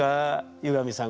湯上さん